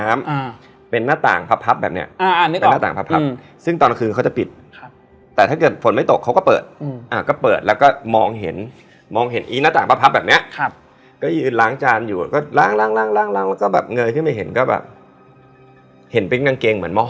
มันแค่เป็นหนึ่งเหตุการณ์ที่เรารู้แบบ